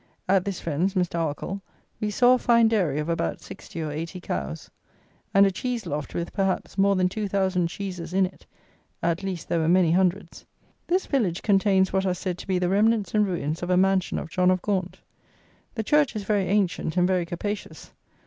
At this friend's, Mr. Arkall, we saw a fine dairy of about 60 or 80 cows, and a cheese loft with, perhaps, more than two thousand cheeses in it; at least there were many hundreds. This village contains what are said to be the remnants and ruins of a mansion of John of Gaunt. The church is very ancient and very capacious.